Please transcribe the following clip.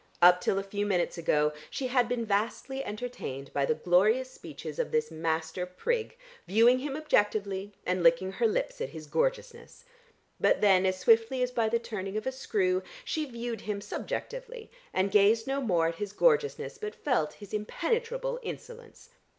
Up till a few minutes ago she had been vastly entertained by the glorious speeches of this master prig, viewing him objectively and licking her lips at his gorgeousness. But then as swiftly as by the turning of a screw she viewed him subjectively and gazed no more at his gorgeousness but felt his impenetrable insolence.